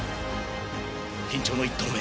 緊張の１投目